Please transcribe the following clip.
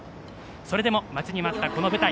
それでも待ちに待ったこの舞台。